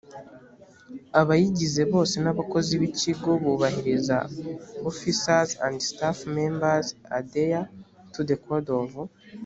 abayigize bose n abakozi b ikigo bubahiriza officers and staff members adhere to the code of